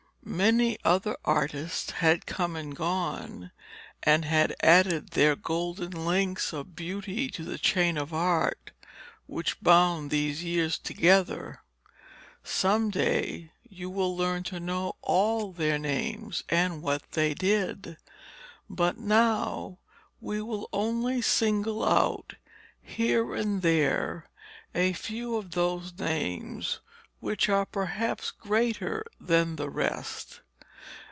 Many other artists had come and gone, and had added their golden links of beauty to the chain of Art which bound these years together. Some day you will learn to know all their names and what they did. But now we will only single out, here and there, a few of those names which are perhaps greater than the rest.